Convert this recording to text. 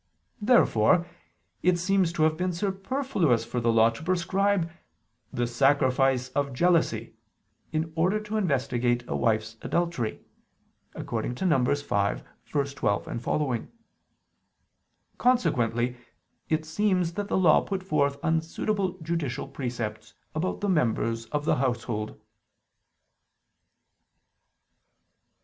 Therefore it seems to have been superfluous for the Law to prescribe the "sacrifice of jealousy" in order to investigate a wife's adultery (Num. 5:12, seqq.). Consequently it seems that the Law put forth unsuitable judicial precepts about the members of the household.